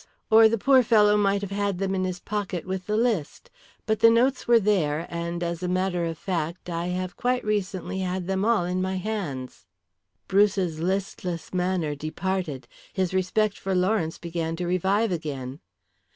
Or the poor fellow might have had them in his pocket with the list. But the notes were there, and, as a matter of fact, I have quite recently had them all in my hands." Bruce's listless manner departed. His respect for Lawrence began to revive again.